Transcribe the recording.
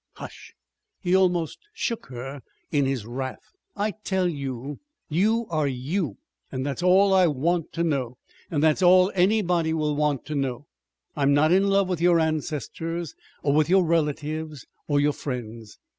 "Hush!" He almost shook her in his wrath. "I tell you, you are you and that's all I want to know. And that's all anybody will want to know. I'm not in love with your ancestors, or with your relatives, or your friends.